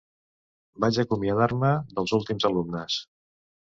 Vaig acomiadar-me dels últims alumnes.